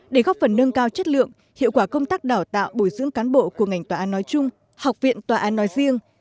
để góp phần nâng cao chất lượng hiệu quả công tác đào tạo bồi dưỡng cán bộ của ngành tòa án nói chung học viện tòa án nói riêng